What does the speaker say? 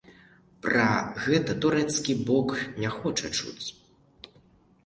Пра гэта турэцкі бок не хоча чуць.